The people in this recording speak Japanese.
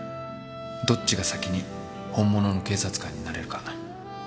どっちが先に本物の警察官になれるか。